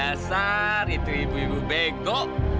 dasar itu ibu ibu bego